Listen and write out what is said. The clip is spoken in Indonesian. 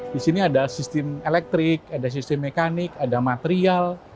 disini ada sistem elektrik ada sistem mekanik ada material